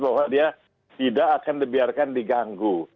bahwa dia tidak akan dibiarkan diganggu